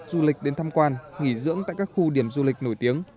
lượt du khách du lịch đến tham quan nghỉ dưỡng tại các khu điểm du lịch nổi tiếng